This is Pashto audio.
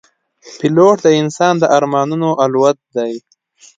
پیلوټ د انسان د ارمانونو الوت دی.